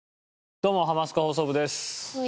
どうも『ハマスカ放送部』です。